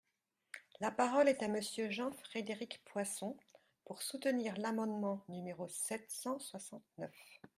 La parole est à Monsieur Jean-Frédéric Poisson, pour soutenir l’amendement numéro sept cent soixante-neuf.